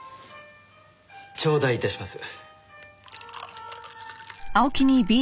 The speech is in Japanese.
頂戴致します。